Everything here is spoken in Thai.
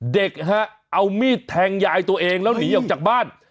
เด็กฮะเอามีดแทงยายตัวเองแล้วหนีออกจากบ้าน